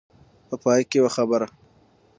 په پای کې يوه خبره.